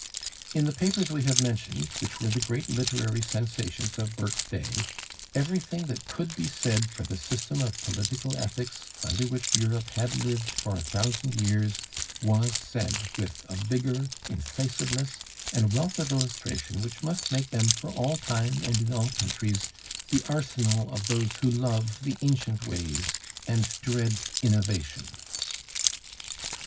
In the papers we have mentioned, which were the great literary sensations of Burke's day, everything that could be said for the system of political ethics under which Europe had lived for a thousand years was said with a vigor, incisiveness, and wealth of illustration which must make them for all time and in all countries the arsenal of those who love the ancient ways and dread innovation.